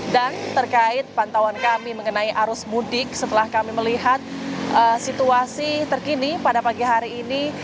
dan terkait pantauan kami mengenai arus mudik setelah kami melihat situasi terkini pada pagi hari ini